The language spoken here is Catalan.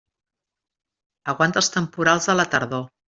Aguanta els temporals de la tardor.